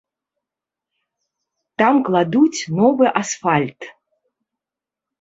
Там кладуць новы асфальт.